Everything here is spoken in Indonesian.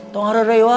tengah maror ya itulah